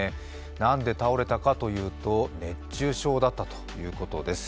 なんで倒れたかというと熱中症だったということです。